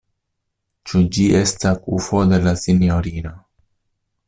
Ĉu ĝi estas kufo de la sinjorino.